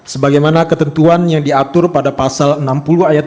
sebagai mana ketentuan yang diatur pada pasal enam puluh ayat